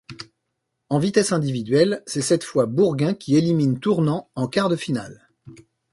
En vitesse individuelle, c'est cette fois Bourgain qui élimine Tournant en quart de finale.